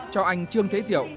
cho anh trương thế diệu